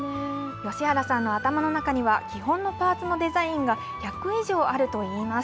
吉原さんの頭の中には、基本のパーツのデザインが１００以上あるといいます。